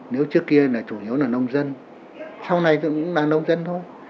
nếu trước kia là chủ yếu là nông dân sau này tôi cũng là nông dân thôi